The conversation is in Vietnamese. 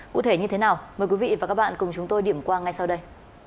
cụ thể như thế nào mời quý vị và các bạn cùng chúng tôi điểm qua ngay sau đây